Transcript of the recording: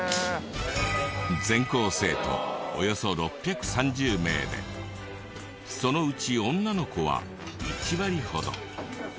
全校生徒およそ６３０名でそのうち女の子は１割ほど。